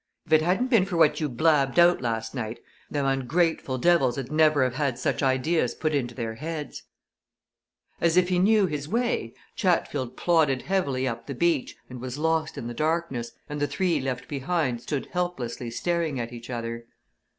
If it hadn't been for what you blabbed out last night, them ungrateful devils 'ud never have had such ideas put into their heads!" As if he knew his way, Chatfield plodded heavily up the beach and was lost in the darkness, and the three left behind stood helplessly staring at each other.